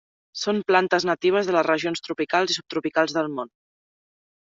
Són plantes natives de les regions tropicals i subtropicals del món.